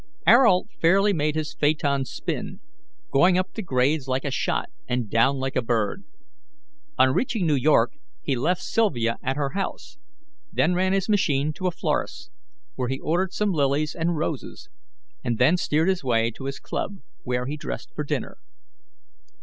Ayrault fairly made his phaeton spin, going up the grades like a shot and down like a bird. On reaching New York, he left Sylvia at her house, then ran his machine to a florist's, where he ordered some lilies and roses, and then steered his way to his club, where he dressed for dinner.